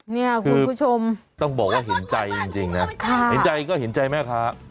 เนี่ยคุณผู้ชมต้องบอกว่าเห็นใจจริงนะเห็นใจก็เห็นใจแม่ค้า